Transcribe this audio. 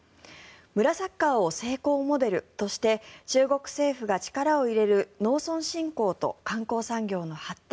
村サッカーを成功モデルとして中国政府が力を入れる農村振興と観光産業の発展